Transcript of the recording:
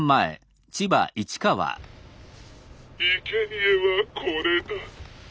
「いけにえはこれだ」。